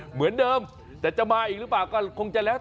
เหมือนเดิมแต่จะมาอีกหรือเปล่าก็คงจะแล้ว